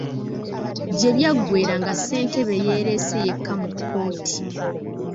Gye byaggweera nga Ssentebe yeereese yekka mu kkooti.